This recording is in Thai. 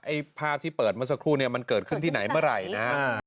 ไอ้ภาพที่เปิดมาสักครู่มันเกิดขึ้นที่ไหนเมื่อไหร่นะ